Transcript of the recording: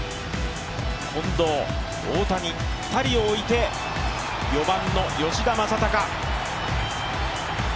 近藤、大谷、２人を置いて４番の吉田正尚。